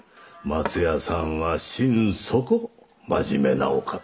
松屋さんは心底真面目なお方。